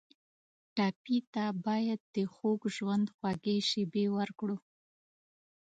ټپي ته باید د خوږ ژوند خوږې شېبې ورکړو.